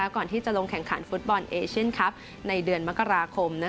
ก่อนที่จะลงแข่งขันฟุตบอลเอเชียนคลับในเดือนมกราคม